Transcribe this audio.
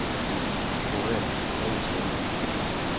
Pobret: no hi és tot.